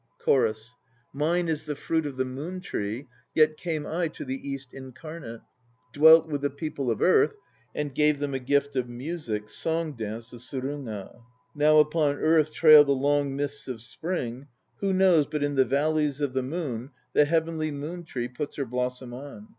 CHORUS. "Mine is the fruit of the moon tree, 1 yet came I to the East incarnate, 1 Dwelt with the people of Earth, and gave them A gift of music, song dance of Suruga. Now upon earth trail the long mists of Spring; Who knows but in the valleys of the moon The heavenly moon tree puts her blossom on?